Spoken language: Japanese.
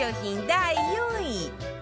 第４位